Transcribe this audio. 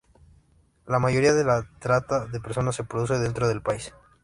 La mayoría de la trata de personas se produce dentro del país.